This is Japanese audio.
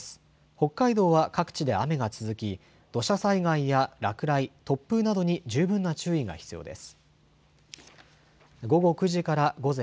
北海道は各地で雨が続き土砂災害や落雷、突風などに十分な注意が必要です。